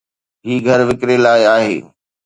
هي گهر وڪري لاءِ آهي